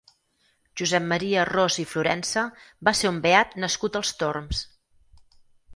Josep Maria Ros i Florensa va ser un beat nascut als Torms.